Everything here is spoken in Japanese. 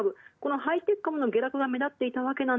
ハイテク株の下落が目立っていた。